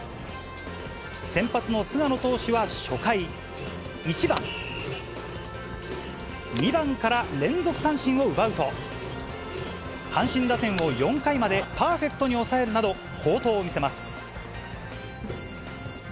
先発の菅野投手は初回、１番、２番から連続三振を奪うと、阪神打線を４回までパーフェクトに抑えるなど、好投を見せます。